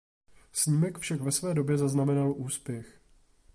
Snímek však ve své době zaznamenal úspěch.